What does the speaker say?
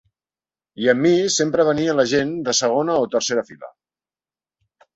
I amb mi sempre venia la gent de segona o tercera fila.